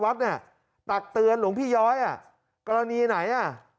วัดเนี่ยตักเตือนหลวงพี่ย้อยอ่ะกรณีไหนอ่ะ